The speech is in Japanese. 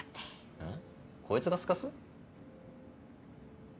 えっこいつがすかす？